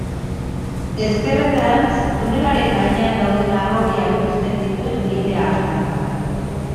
Ezkerretarantz tunelaren gainean dauden harrobiak uzten dituen bidea hartzen da.